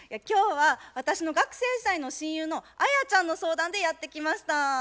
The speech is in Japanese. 今日は私の学生時代の親友のアヤちゃんの相談でやって来ました。